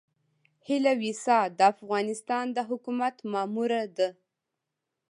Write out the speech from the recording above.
هيله ويسا د افغانستان د حکومت ماموره ده.